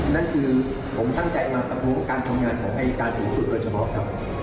นั่นคือผมตั้งใจมาประท้วงการทำงานของอายการสูงสุดโดยเฉพาะครับ